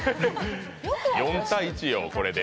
４−１よ、これで。